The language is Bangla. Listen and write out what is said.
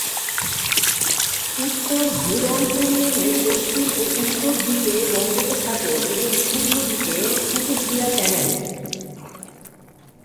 উত্তর ধুরুং ইউনিয়নের পশ্চিম ও উত্তর দিকে বঙ্গোপসাগর এবং পূর্ব দিকে কুতুবদিয়া চ্যানেল।